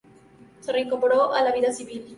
Se reincorporó a la vida civil.